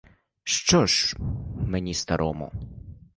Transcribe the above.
Що ж мені, старому?